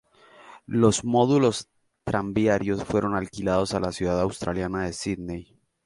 Los módulos tranviarios fueron alquilados a la ciudad australiana de Sídney.